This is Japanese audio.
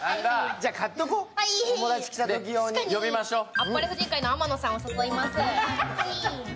あっぱれ婦人会の天野さんを呼びます。